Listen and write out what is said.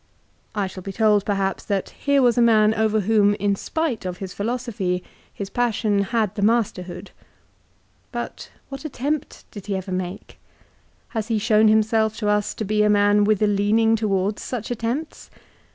I shall be told, perhaps, that here was a man over whom, in spite of his philosophy, his passion had the masterhood. But what attempt did he ever make? Has he shown himself to us to be a man with a leaning towards such attempts?